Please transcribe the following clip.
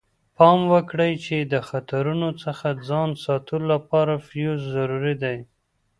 پام وکړئ چې د خطرونو څخه ځان ساتلو لپاره فیوز ضروري دی.